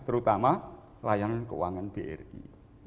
terutama layanan keuangan bri